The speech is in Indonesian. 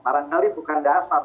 barangkali bukan dasar